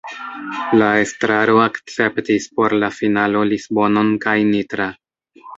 La estraro akceptis por la finalo Lisbonon kaj Nitra.